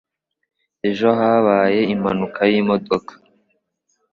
Ejo habaye impanuka yimodoka.